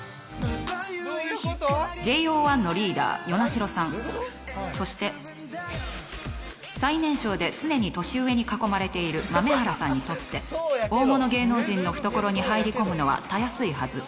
ＪＯ１のリーダー、與那城さんそして最年少で常に年上に囲まれている豆原さんにとって大物芸能人の懐に入り込むのは、たやすいはず。